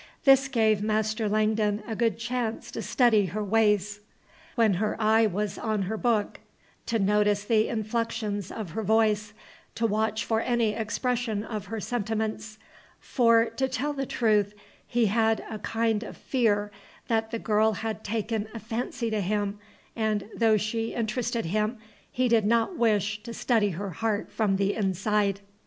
This gave Master Langdon a good chance to study her ways when her eye was on her book, to notice the inflections of her voice, to watch for any expression of her sentiments; for, to tell the truth, he had a kind of fear that the girl had taken a fancy to him, and, though she interested him, he did not wish to study her heart from the inside.